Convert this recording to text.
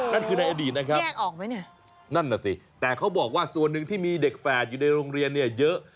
นั่นคือในอดีตนะครับแยกออกไหมเนี่ยนั่นน่ะสิแต่เขาบอกว่าส่วนหนึ่งที่มีเด็กแฝดอยู่ในโรงเรียนเนี่ยเยอะ